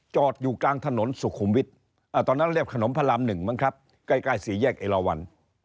จอดอยู่กลางถนนสุขุมวิทย์ตอนนั้นเรียบขนมพระราม๑มั้งครับใกล้สี่แยกเอลวัน